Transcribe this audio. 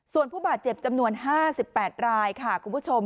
ส่วนผู้บาดเจ็บจำนวน๕๘รายค่ะคุณผู้ชม